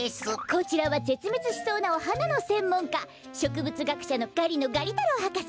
こちらはぜつめつしそうなおはなのせんもんかしょくぶつがくしゃのガリノガリたろうはかせ。